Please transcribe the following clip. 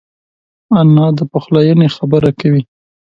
انا د پخلاینې خبره کوي